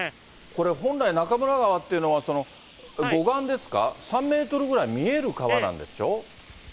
これ、本来、中村川っていうのは、護岸ですか、３メートルぐらい見える川なんでしょ？